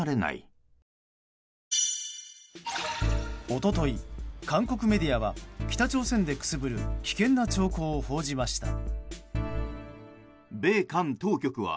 一昨日、韓国メディアは北朝鮮でくすぶる危険な兆候を報じました。